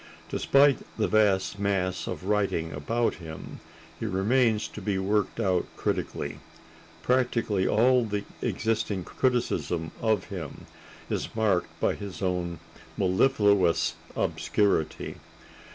Despite the vast mass of writing about him, he remains to be worked out critically; practically all the existing criticism of him is marked by his own mellifluous obscurity.